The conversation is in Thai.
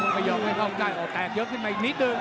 ไม่ยอมให้ล่องได้ออกแตกเยอะขึ้นมาอีกนิดนึง